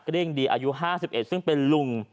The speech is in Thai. เร่งดีอายุ๕๑ซึ่งเป็นลุง